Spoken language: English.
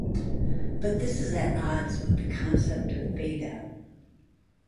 But this is at odds with the concept of fadeout.